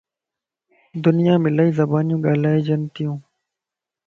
دنيا مَ الائي زبانيون ڳالھائيجھنتيون